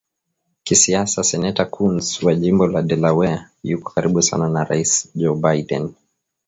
Kisiasa Seneta Coons wa Jimbo la Delaware yuko karibu sana na Rais Joe Biden